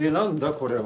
これは。